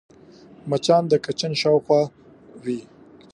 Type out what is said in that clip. مچان د کچن شاوخوا وي